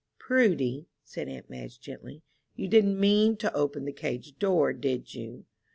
"Prudy," said aunt Madge, gently, "you didn't mean to open the cage door, did you?"